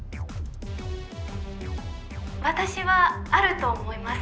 私はあると思います。